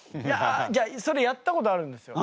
それやったことあるんですよ。